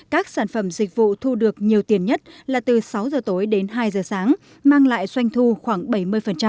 các sản phẩm dịch vụ thu được nhiều tiền nhất là từ sáu giờ tối đến hai giờ sáng mang lại xoanh thu khoảng bảy mươi thì chưa phát triển